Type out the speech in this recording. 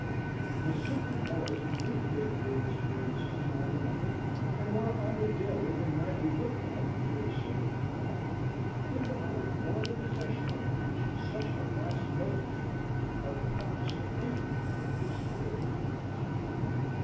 The simple boys communicated their experiences to one another, and were on the daily and nightly look out for the sacred "call," in the hope or the possession of which such a vast multitude of Protestant England was thrilling at the time.